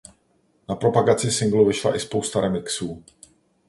Na propagaci singlu vyšla i spousta remixů.